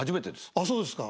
あっそうですか。